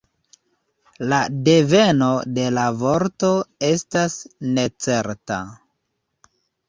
La deveno de la vorto estas necerta.